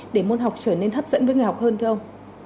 để môn học trở nên hấp dẫn với người học hơn thưa ông